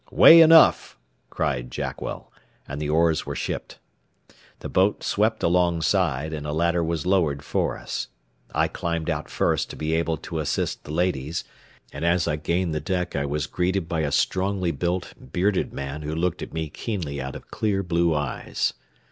"Way enough," cried Jackwell, and the oars were shipped. The boat swept alongside, and a ladder was lowered for us. I climbed out first to be able to assist the ladies, and as I gained the deck I was greeted by a strongly built, bearded man who looked at me keenly out of clear blue eyes.